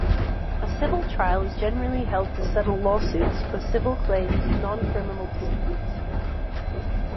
A civil trial is generally held to settle lawsuits or civil claims-non-criminal disputes.